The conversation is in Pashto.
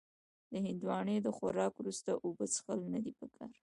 د هندوانې د خوراک وروسته اوبه څښل نه دي پکار.